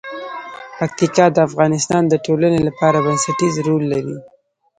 پکتیکا د افغانستان د ټولنې لپاره بنسټيز رول لري.